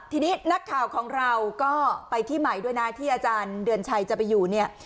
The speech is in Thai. ทีนี้นักข่าวของเราก็ไปที่ใหม่ด้วยนะที่อาจารย์เดือนชัยจะไปอยู่เนี่ย